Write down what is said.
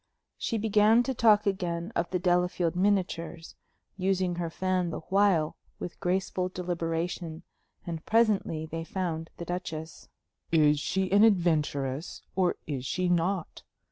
She began to talk again of the Delafield miniatures, using her fan the while with graceful deliberation; and presently they found the Duchess. "Is she an adventuress, or is she not?"